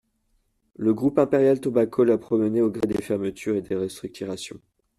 Le groupe Imperial Tobacco l’a promené au gré des fermetures et des restructurations.